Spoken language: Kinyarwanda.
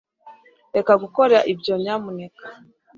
reka gukora ibyo, nyamuneka